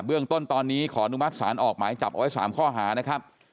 เรื่องต้นตอนนี้ขออนุมัติศาลออกหมายจับเอาไว้๓ข้อหานะครับ